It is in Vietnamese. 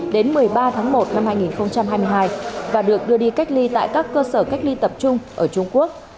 đến một mươi ba tháng một năm hai nghìn hai mươi hai và được đưa đi cách ly tại các cơ sở cách ly tập trung ở trung quốc